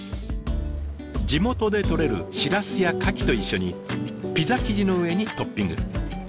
地元でとれるシラスやカキと一緒にピザ生地の上にトッピング。